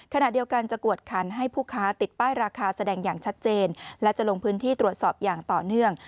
ขณะเดียวกันจะกวดคันให้ผู้ค้าติดป้ายราคาแสดงอย่างชัดเจนและจะลงพื้นที่ตรวจสอบอย่างต่อเนื่อง